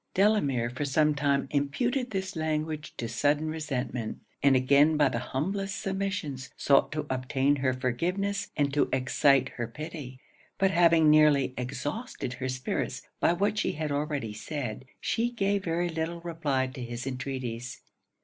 Delamere for some time imputed this language to sudden resentment; and again by the humblest submissions sought to obtain her forgiveness and to excite her pity. But having nearly exhausted her spirits by what she had already said, she gave very little reply to his entreaties.